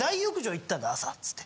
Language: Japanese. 朝つって。